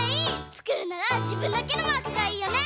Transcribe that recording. つくるならじぶんだけのマークがいいよね！